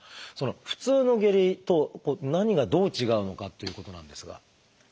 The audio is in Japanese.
普通の下痢と何がどう違うのかっていうことなんですが。